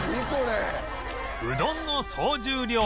うどんの総重量